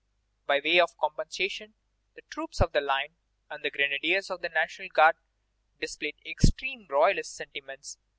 By way of compensation, the troops of the line and the grenadiers of the National Guard displayed extremely royalist sentiments.